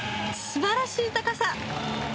素晴らしい高さ！